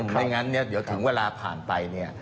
ไม่งั้นเดี๋ยวถึงเวลาผ่านไป